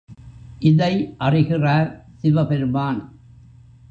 இதை அறிகிறார் சிவபெருமான்.